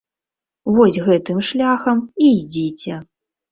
Вось гэтым шляхам і ідзіце.